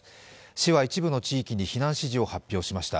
市は一部の地域に避難指示を発表しました。